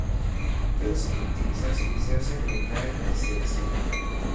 Puede utilizarse anestesia local y sedación.